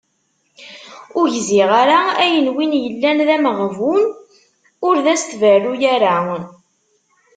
Ur gziɣ ara! Ayen win yellan d ameɣbun, ur d as-tberru ara.